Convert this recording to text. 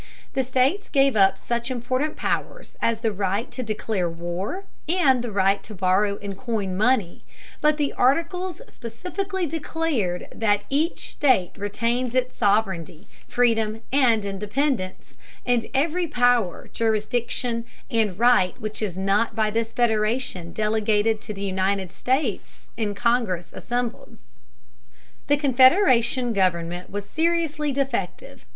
The states gave up such important powers as the right to declare war, and the right to borrow and coin money, but the Articles specifically declared that "each state retains its sovereignty, freedom, and independence, and every power, jurisdiction, and right which is not by this federation delegated to the United States in Congress assembled." The Confederation government was seriously defective.